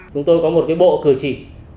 chúng tôi có một bộ cửa chỉ